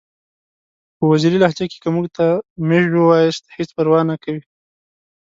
په وزیري لهجه کې که موږ ته میژ ووایاست هیڅ پروا نکوي!